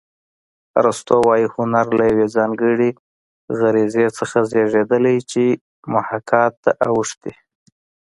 ارستو وايي هنر له یوې ځانګړې غریزې څخه زېږېدلی چې محاکات ته اوښتې